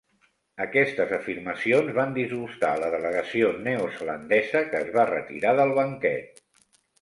Aquestes afirmacions van disgustar a la delegació neozelandesa que es va retirar del banquet.